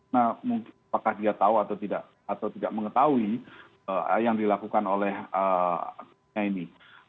nah mungkin apakah dia tahu atau tidak atau tidak mengetahui yang dilakukan olehnya ini